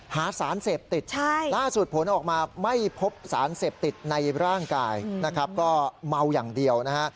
หาสารเสพติดล่าสุดผลออกมาไม่พบสารเสพติดในร่างกายนะครับก็เมาอย่างเดียวนะฮะ